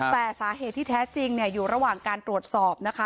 แต่สาเหตุที่แท้จริงอยู่ระหว่างการตรวจสอบนะคะ